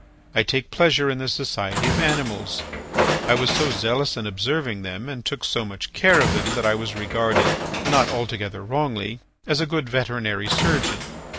I take pleasure in the society of animals; I was so zealous in observing them and took so much care of them that I was regarded, not altogether wrongly, as a good veterinary surgeon.